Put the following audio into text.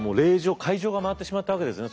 回状が回ってしまったわけですね。